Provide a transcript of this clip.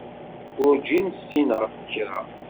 Werǧin ssineɣ kra.